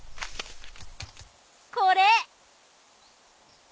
これ！